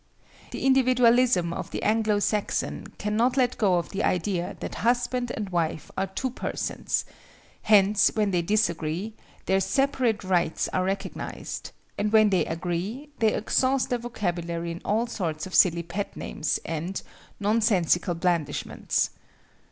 The individualism of the Anglo Saxon cannot let go of the idea that husband and wife are two persons;—hence when they disagree, their separate rights are recognized, and when they agree, they exhaust their vocabulary in all sorts of silly pet names and—nonsensical blandishments.